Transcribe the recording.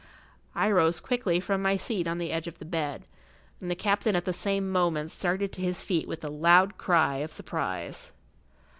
I rose quickly from my seat on the edge of the bed, and the captain at the same moment started to his feet with a loud cry of surprise.